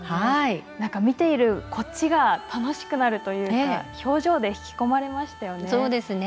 見ているこっちが楽しくなるというか表情で引き込まれましたよね。